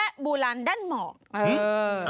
และบูรันด้านเหมาะ